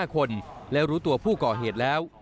๕คนและรู้ตัวผู้ก่อเหตุแล้ว